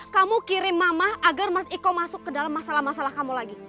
kamu kirim mamah agar mas iko masuk ke dalam masalah masalah kamu lagi